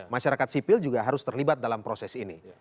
masyarakat sipil juga harus terlibat dalam proses ini